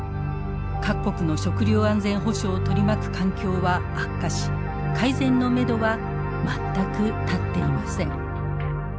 各国の食料安全保障を取り巻く環境は悪化し改善のめどは全く立っていません。